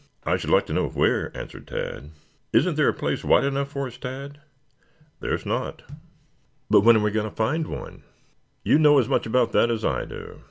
"I should like to know where?" answered Tad. "Isn't there a place wide enough for us, Tad?" "There is not." "But when are we going to find one?" "You know as much about that as I do.